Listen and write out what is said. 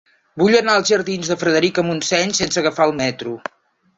Vull anar als jardins de Frederica Montseny sense agafar el metro.